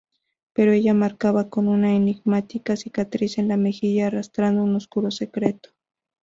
Pero ella, marcada con una enigmática cicatriz en la mejilla, arrastra un oscuro secreto...